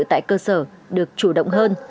tại cơ sở được chủ động hơn